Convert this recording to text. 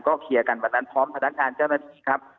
เคลียร์กันวันนั้นพร้อมพนักงานเจ้าหน้าที่ครับ